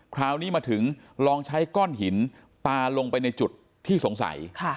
คราวนี้มาถึงลองใช้ก้อนหินปลาลงไปในจุดที่สงสัย